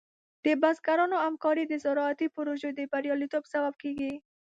د بزګرانو همکاري د زراعتي پروژو د بریالیتوب سبب کېږي.